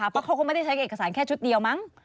เพราะเขาก็ไม่ได้ใช้เอกสารแค่ชุดเดียวมั้ง